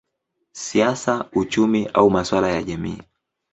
siasa, uchumi au masuala ya jamii.